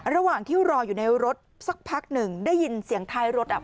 ระหว่างที่รออยู่ในรถสักพักหนึ่งได้ยินเสียงท้ายรถอ่ะ